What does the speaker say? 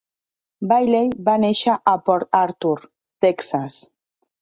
Bailey va néixer a Port Arthur, Texas.